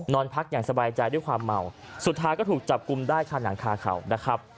นอนพักอย่างสบายใจด้วยความเมาสุดท้ายก็ถูกจับกลุ่มได้ค่ะหนังคาเขานะครับ